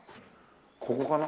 ここかな？